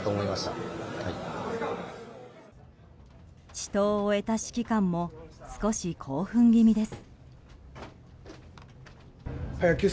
死闘を終えた指揮官も少し興奮気味です。